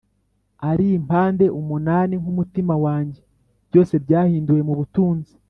(ari impande umunani, nkumutima wanjye) byose byahinduwe mubutunzi: